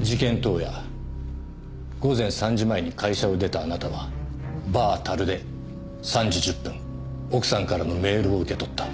事件当夜午前３時前に会社を出たあなたはバー樽で３時１０分奥さんからのメールを受け取った。